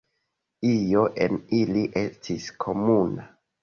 Io en ili estis komuna.